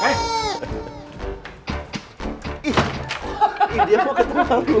ih dia kok keterbangun